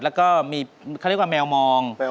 แล้วก็มีเขาเรียกว่าแมวมอง